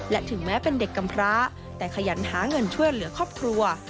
และถึงแม้เป็นเด็กกำพร้าแต่ขยันหาเงินช่วยเหลือครอบครัว